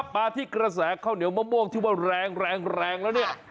มาที่กระแสข้าวเหนียวมะม่วงที่ว่าแรงแรงแล้วเนี่ย